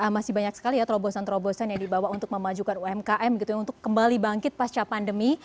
masih banyak sekali ya terobosan terobosan yang dibawa untuk memajukan umkm gitu ya untuk kembali bangkit pasca pandemi